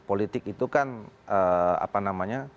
politik itu kan apa namanya